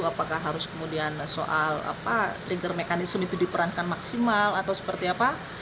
apakah harus kemudian soal trigger mechanism itu diperankan maksimal atau seperti apa